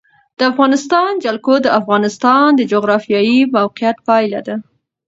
د افغانستان جلکو د افغانستان د جغرافیایي موقیعت پایله ده.